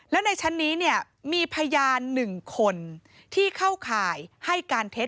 แล้วในชั้นนี้เนี่ยมีพยาน๑คนที่เข้าข่ายให้การเท็จ